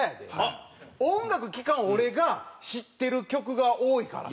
音楽聴かん俺が知ってる曲が多いからね。